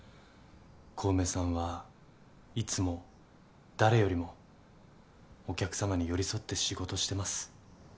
小梅さんはいつも誰よりもお客様に寄り添って仕事してます。